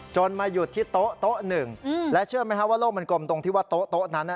จนมาหยุดที่โต๊ะโต๊ะหนึ่งและเชื่อไหมฮะว่าโลกมันกลมตรงที่ว่าโต๊ะโต๊ะนั้นน่ะ